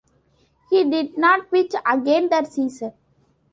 He did not pitch again that season.